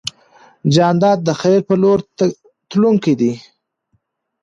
جانداد د خیر په لور تلونکی دی.